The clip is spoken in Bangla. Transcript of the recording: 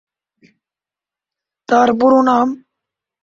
তার পুরো নাম।